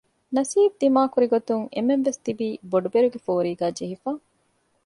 ނަސީބު ދިމާކުރިގޮތުން އެންމެންވެސް ތިބީ ބޮޑުބެރުގެ ފޯރީގައި ޖެހިފަ